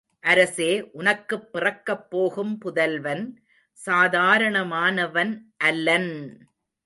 அரசே உனக்குப் பிறக்கப் போகும் புதல்வன் சாதாரணமானவன் அல்லன்!